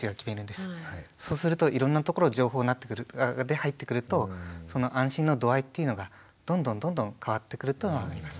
そうするといろんなところ情報で入ってくるとその安心の度合いっていうのがどんどんどんどん変わってくるっていうのがあります。